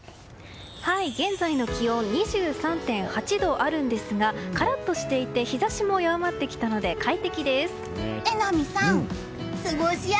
現在の気温２３．８度あるんですがカラッとしていて日差しも弱まってきたので快適です。